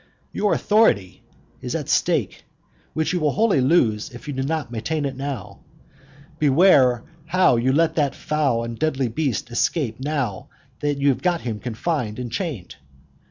Your authority is at stake, which you will wholly lose if you do not maintain it now. Beware how you let that foul and deadly beast escape now that you have got him confined and chained.